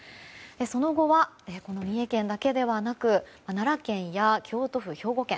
その後は、三重県だけではなく奈良県や京都府、兵庫県